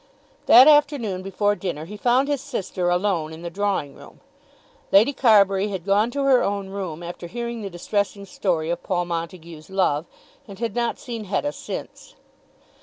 That afternoon before dinner he found his sister alone in the drawing room. Lady Carbury had gone to her own room after hearing the distressing story of Paul Montague's love, and had not seen Hetta since.